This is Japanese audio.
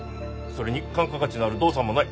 それに換価価値のある動産もない。